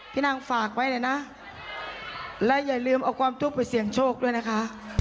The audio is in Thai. พี่นางฝากไว้เลยนะและอย่าลืมเอาความทุกข์ไปเสี่ยงโชคด้วยนะคะ